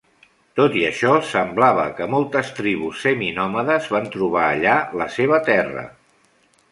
Tot i això, semblava que moltes tribus seminòmades van trobar allà la seva terra.